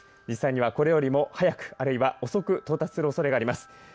実際にはこれよりも早く、あるいは遅く到達するおそれがります。